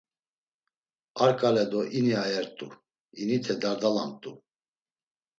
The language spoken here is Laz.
Ar ǩale do ini ayert̆u, inite dardalamt̆u.